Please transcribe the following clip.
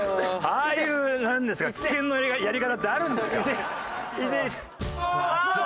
ああいうなんですか棄権のやり方ってあるんですか？